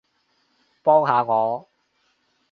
幫下我